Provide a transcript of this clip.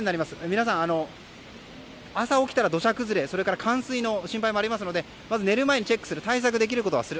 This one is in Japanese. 皆さん、朝起きたら土砂崩れ冠水の恐れもありますのでまず寝る前にチェックする対策できることはする。